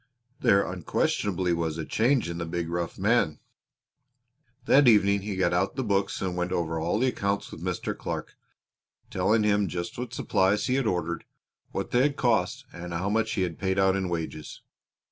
There unquestionably was a change in the big rough man. That evening he got out the books and went over all the accounts with Mr. Clark, telling him just what supplies he had ordered; what they had cost; and how much he had paid out in wages.